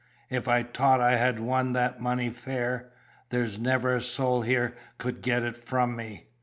If I t'ought I had wan that money fair, there's never a soul here could get it from me.